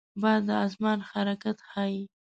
باد د آسمان حرکت ښيي